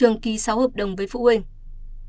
trường ký sáu hợp đồng với phụ huynh